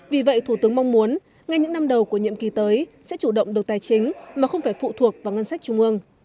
vì vậy thủ tướng mong muốn ngay những năm đầu của nhiệm kỳ tới sẽ chủ động được tài chính mà không phải phụ thuộc vào ngân sách trung ương